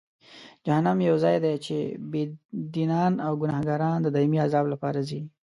جهنم یو ځای دی چې بېدینان او ګناهکاران د دایمي عذاب لپاره ځي.